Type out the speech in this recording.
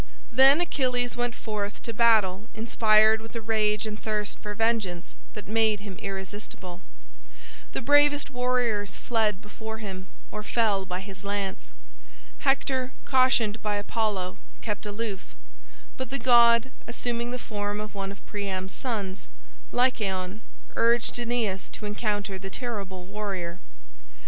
Then Achilles went forth to battle inspired with a rage and thirst for vengeance that made him irresistible. The bravest warriors fled before him or fell by his lance. Hector, cautioned by Apollo, kept aloof; but the god, assuming the form of one of Priam's sons, Lycaon, urged Aeneas to encounter the terrible warrior.